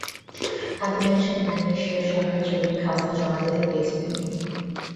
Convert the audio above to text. হাদী ম্যানশনে ব্যাংক এশিয়ার শাখায় জমির খাজনা জমা দিতে গিয়েছিলেন তিনি।